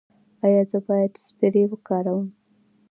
ایا زه باید سپری وکاروم؟